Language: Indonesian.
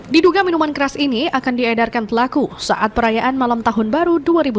diduga minuman keras ini akan diedarkan pelaku saat perayaan malam tahun baru dua ribu dua puluh